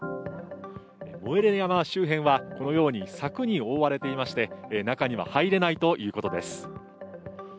モエレ山周辺はこのように柵に覆われていまして、中には入れないということです。